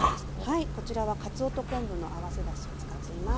はいこちらはかつおと昆布の合わせだしを使っています。